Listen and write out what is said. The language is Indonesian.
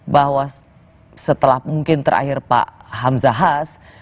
bahwa setelah mungkin terakhir pak hamzahas